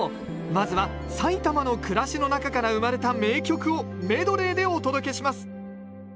まずは埼玉の暮らしの中から生まれた名曲をメドレーでお届けします